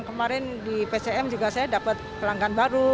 ppkm juga saya dapat pelanggan baru